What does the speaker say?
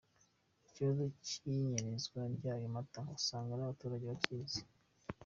Ikibazo cy’inyerezwa ry’ayo mata usanga n’abaturage bakizi.